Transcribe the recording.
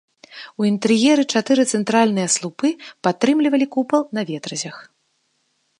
У інтэр'еры чатыры цэнтрычныя слупы падтрымлівалі купал на ветразях.